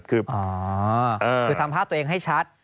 คือทำภาพตัวเองให้ชัด